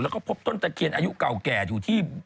แล้วก็พบต้นตะเคียนอายุเก่าแก่อยู่ที่